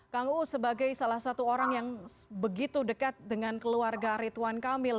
kang uu sebagai salah satu orang yang begitu dekat dengan keluarga ridwan kamil